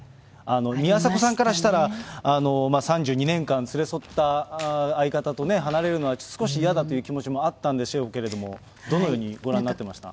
宮迫さんからしたら、３２年間連れ添った相方と離れるのは少し嫌だという気持ちもあったんでしょうけれど、どのようにご覧になってました？